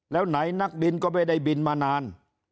แล้วไหนนักบินก็ไม่ได้บินมานาน